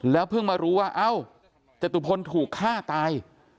แล้วเพิ่งมารู้ว่าเอ้าจตุภนธรรมถูกฆ่าตาย